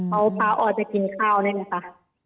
เขาพาออกจะกินข้าวเนี่ยค่ะ